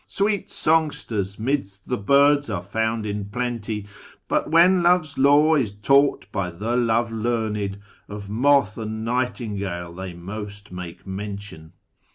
Sweet songsters 'midst the birds are found in plenty, But, when love's lore is taught by the love learned. Of moth and nightingale they most make mention.